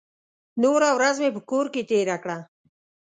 نوره ورځ مې په کور کې تېره کړه.